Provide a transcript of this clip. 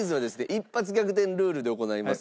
一発逆転ルールで行います。